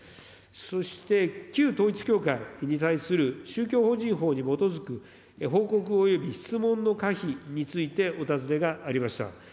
そして、旧統一教会に対する宗教法人法に基づく報告及び質問の可否についてお尋ねがありました。